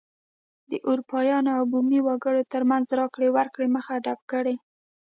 د اروپایانو او بومي وګړو ترمنځ راکړې ورکړې مخه ډپ کړي.